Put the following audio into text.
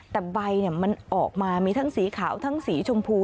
แต่ใบมันออกมามีทั้งสีขาวทั้งสีชมพู